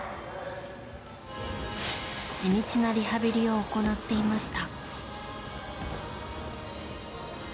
地道なリハビリを行っていました。